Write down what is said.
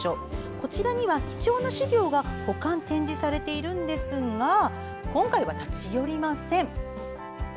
こちらには貴重な資料が保管・展示されているんですが今回は立ち寄りません。